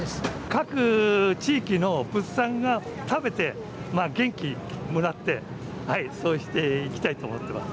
各地域の物産が食べて元気もらってそうしていきたいと思ってます。